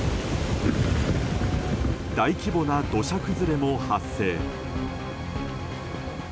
大規模な土砂崩れも発生。